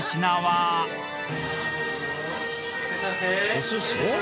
お寿司？